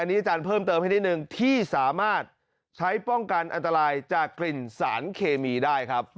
อันนี้อาจารย์เพิ่มเติมให้นิดนึงที่สามารถใช้ป้องกันอันตรายจากกลิ่นสารเคมีได้ครับ